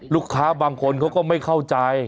ลูกค้าบางคนเขาก็ไม่เข้าใจ